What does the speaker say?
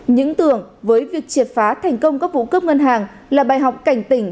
những tưởng với việc triệt phá thành công các vụ cướp ngân hàng là bài học cảnh tỉnh